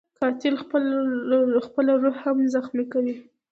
قاتل خپله روح هم زخمي کوي